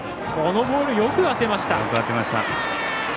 このボール、よく当てました。